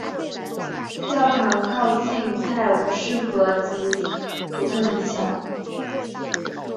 教堂靠近泰晤士河及普特尼桥。